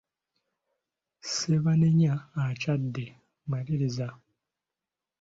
Ssebanenya akyadde, maliriza.